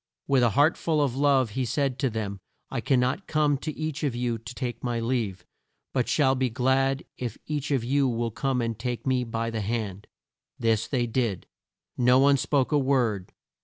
With a heart full of love he said to them, "I can not come to each of you to take my leave, but shall be glad if each of you will come and take me by the hand." This they did. No one spoke a word.